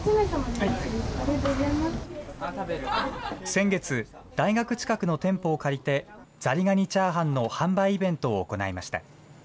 先月、大学近くの店舗を借りて、ザリガニチャーハンの販売イベントを行いました。